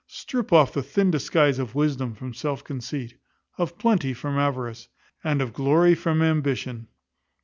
Strip off the thin disguise of wisdom from self conceit, of plenty from avarice, and of glory from ambition.